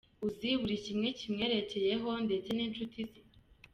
Uzi buri kimwe kimwerekeyeho ndetse n’inshuti ze.